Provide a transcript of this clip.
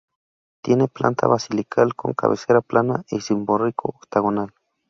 Tiene planta basilical, con cabecera plana y cimborrio octogonal.